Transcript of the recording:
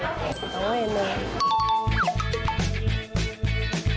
ต้องเอาให้เหนื่อย